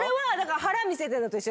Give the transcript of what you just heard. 腹見せてるのと一緒です